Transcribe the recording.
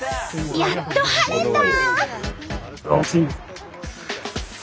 やっと晴れた！